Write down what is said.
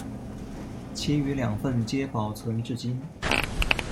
其余两份皆保存至今。